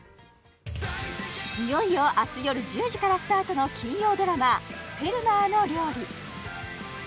いよいよ明日夜１０時からスタートの金曜ドラマ「フェルマーの料理」